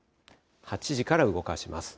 ８時から動かします。